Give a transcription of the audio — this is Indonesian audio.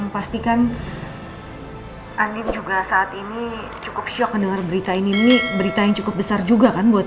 pastikan andi juga saat ini cukup syok mendengar berita ini berita yang cukup besar juga kan buat